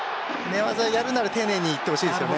寝技やるなら丁寧にいってほしいです。